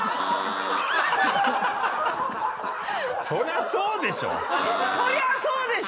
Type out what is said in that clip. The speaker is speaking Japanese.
そりゃそうでしょうよ！